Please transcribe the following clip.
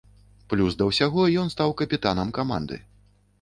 Плюс да ўсяго ён стаў капітанам каманды.